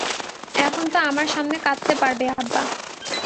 এখন তো আমার সামনে কাঁদতে পারবে আব্বা।